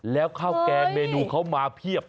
แล้วข้าวแกงเมนูเขามาเพียบ